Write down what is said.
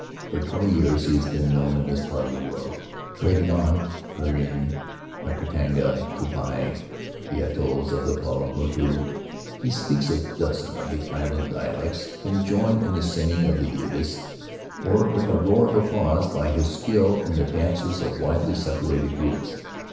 For twenty years he has been known in this part of the world — trading on Penrhyn, Rakahanga, Tupuai, the atolls of the Pau motu. He speaks a dozen of the island dialects, can join in the singing of Utss, or bring a roar of applause by his skill in the dances of widely separated groups.